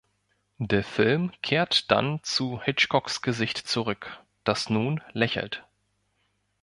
Der Film kehrt dann zu Hitchcocks Gesicht zurück, das nun lächelt.